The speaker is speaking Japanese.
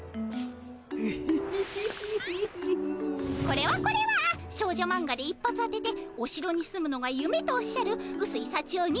これはこれは少女マンガで一発当てておしろに住むのがゆめとおっしゃるうすいさちよ